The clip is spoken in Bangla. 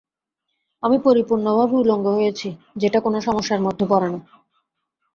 আমি পরিপূর্ণভাবে উলংগ হয়েছি, যেটা কোনো সমস্যার মধ্যে পড়ে না।